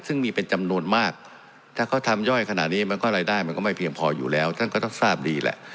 ซึ่งมีเป็นจำนวนมากถ้าเขาทำย่อยขนาดนี้มันก็รายได้มันก็ไม่เพียงพออยู่แล้วท่านก็ต้องทราบดีแหละ